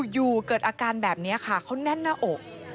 เกิดอาการแบบนี้ค่ะเขาแน่นหน้าอก